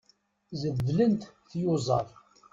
Zeddlent tyuẓaḍ.